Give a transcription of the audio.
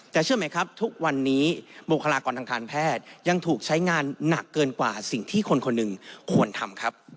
แต่เชื่อไหมครับทุกวันนี้บุคลากรทางการแพทย์ยังถูกใช้งานหนักเกินกว่าสิ่งที่คนคนหนึ่งควรทำครับ